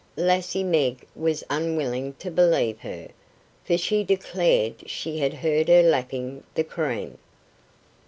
Lassie Meg was unwilling to believe her, for she declared she had heard her lapping the cream.